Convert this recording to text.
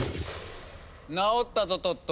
治ったぞトット。